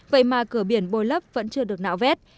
vậy mà cửa biển bồi lấp vẫn chưa được nạo vét